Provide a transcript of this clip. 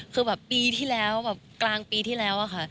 คือแบบปีที่แล้วแบบกลางปีที่แล้วอะค่ะ